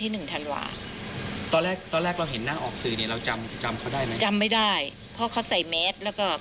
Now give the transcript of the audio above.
ตอนนั้นประเภทดินต่อก็แพลสร้างประโยชน์